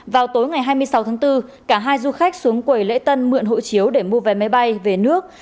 vào tối ngày hai mươi sáu tháng bốn cả hai du khách xuống quầy lễ tân mượn hộ chiếu để mua vé máy bay về nước